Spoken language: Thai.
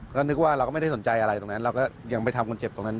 ก็นึกว่าเราก็ไม่ได้สนใจอะไรตรงนั้นเราก็ยังไปทำคนเจ็บตรงนั้น